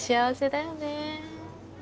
だよね！